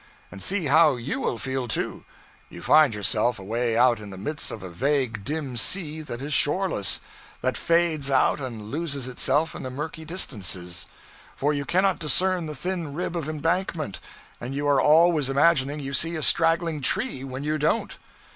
And see how you will feel, too! You find yourself away out in the midst of a vague dim sea that is shoreless, that fades out and loses itself in the murky distances; for you cannot discern the thin rib of embankment, and you are always imagining you see a straggling tree when you don't.